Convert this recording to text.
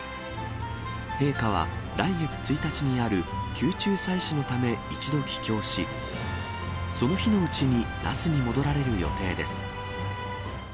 陛下は、来月１日にある宮中祭祀のため一度帰京し、その日のうちに那須に戻られる予定です。